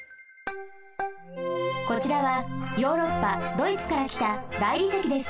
こちらはヨーロッパドイツからきた大理石です。